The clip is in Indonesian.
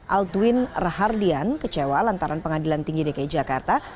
aldwin rahardian kecewa lantaran pengadilan tinggi dki jakarta